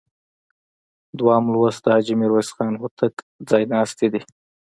دویم لوست د حاجي میرویس خان هوتک ځایناستي دي.